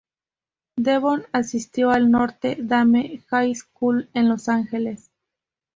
Devon asistió al "Notre Dame High School" en Los Ángeles.